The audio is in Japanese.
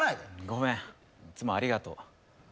ごめんいつもありがとう。